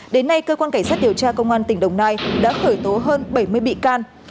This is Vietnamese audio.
đến nay cơ quan cảnh sát điều tra công an tỉnh đồng nai đã khởi tố hơn bảy mươi bị can